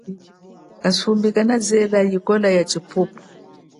Kasumbi kanazela ikola ya chipupu.